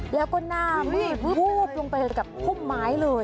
แล้วก็น่าวืบลุกลงไปกับพุ่มไม้เลย